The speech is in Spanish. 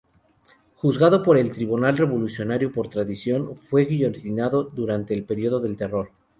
Juzgado por el Tribunal Revolucionario por traición, fue guillotinado durante el periodo del Terror.